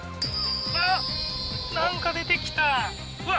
あっなんか出てきたうわ